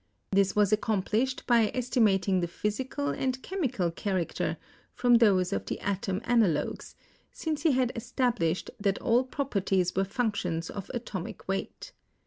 This was accomplished by estimating the physical and chemical char acter from those of the atom analogues, since he had es tablished that all properties were functions of atomic weight.